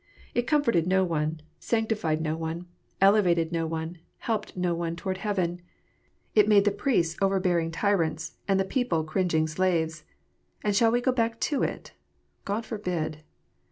It comforted no one, sanctified no one, elevated no one, helped no one toward heaven. It made the priests overbearing tyrants, and the people cringing slaves. And shall we go back to it 1 God forbid